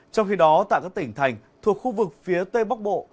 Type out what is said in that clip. trong khi đó tại các tỉnh thành thuộc khu vực phía tây bắc bộ